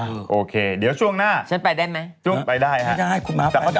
อะโอเคเดี๋ยวช่วงหน้า